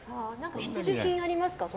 必需品はありますか？